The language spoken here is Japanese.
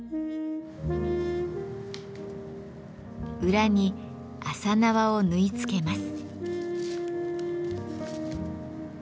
裏に麻縄を縫い付けます。